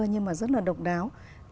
nhưng mà rất là độc đáo